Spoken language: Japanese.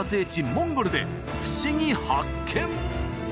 モンゴルでふしぎ発見！